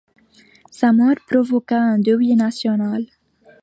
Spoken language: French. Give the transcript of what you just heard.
Sa mort provoqua un deuil national.